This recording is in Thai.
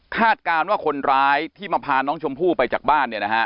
คาดการณ์ว่าคนร้ายที่มาพาน้องชมพู่ไปจากบ้าน